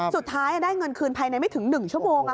สุดท้ายได้เงินคืนภายในไม่ถึง๑ชั่วโมง